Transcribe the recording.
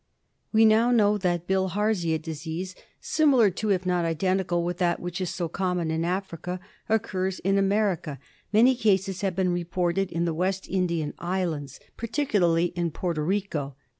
^ We now know that Bilharzia disease, similar to if not identical with that which is so common in Africa, occurs in America; many cases have been reported in the West India Islands, particularly in Porto Rico.